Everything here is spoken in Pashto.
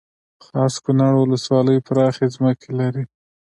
خاص کونړ ولسوالۍ پراخې ځمکې لري